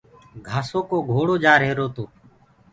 گھآسو ڪو گھوڙو جآ رهرو تو۔